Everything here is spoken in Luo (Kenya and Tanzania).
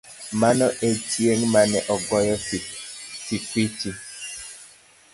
Mano e chieng' mane ogoye Sifichi.